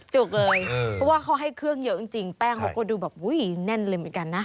จุกเลยเพราะว่าเขาให้เครื่องเยอะจริงแป้งเขาก็ดูแบบอุ้ยแน่นเลยเหมือนกันนะ